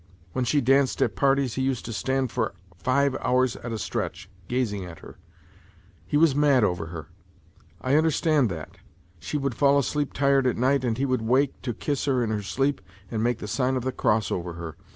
When she danced at parties he used to stand for five hours at a stretch, gazing at her. He was mad over her : I understand that ! She would fall asleep tired at night, and he would wake to kiss li< r in her sleep and make the siirn of the cross over her.